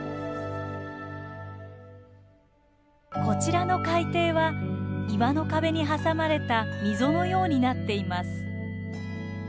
こちらの海底は岩の壁に挟まれた溝のようになっています。